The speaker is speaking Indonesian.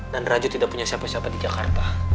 dan rajo tidak punya siapa siapa di jakarta